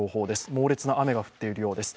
猛烈な雨が降っているようです。